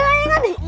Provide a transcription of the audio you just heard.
tuh ada layangan nih